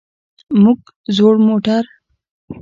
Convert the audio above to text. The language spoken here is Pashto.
موږ زوړ موټر.